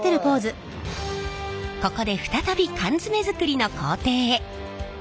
ここで再び缶詰作りの工程へ。